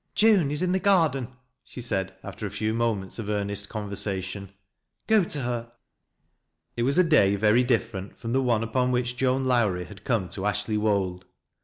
" Joan is in the garden," she said, after a few moments Df earnest conversation. " Go to her." It was a day very different from the ope upon which Joan Lowrie had come to Ashley Wold.